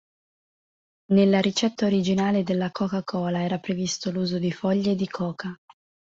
Nella ricetta originale della Coca-Cola era previsto l'uso di foglie di coca.